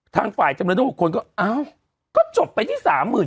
ทางฝ่ายจำนวนทั้งหกคนก็เอ้าก็จบไปที่สามหมื่น